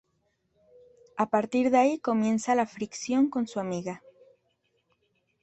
A partir de ahí comienza la fricción con su amiga.